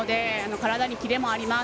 体にキレもあります。